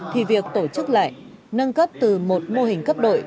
thì việc tổ chức lại nâng cấp từ một mô hình cấp đội